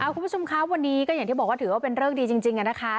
คุณผู้ชมครับวันนี้ก็อย่างที่บอกว่าถือว่าเป็นเริกดีจริงนะคะ